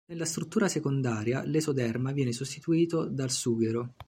Nella struttura secondaria l'esoderma viene sostituito dal sughero.